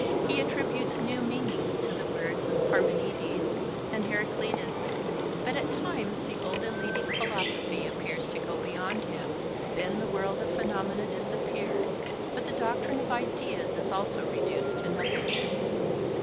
He attributes new meanings to the words of Parmenides and Heracleitus; but at times the old Eleatic philosophy appears to go beyond him; then the world of phenomena disappears, but the doctrine of ideas is also reduced to nothingness.